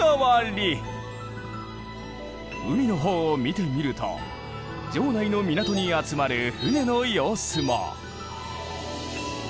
海のほうを見てみると城内の港に集まる船の様子も。